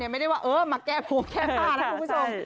ไม่ได้ว่ามาแก้พวงแก้ผ้านะคุณผู้ชม